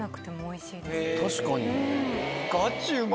確かに。